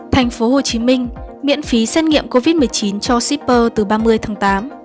tp hcm miễn phí xét nghiệm covid một mươi chín cho shipper từ ba mươi tháng tám